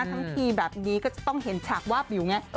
ทั้งทีแบบนี้ก็จะต้องเห็นฉากวาบวิวไง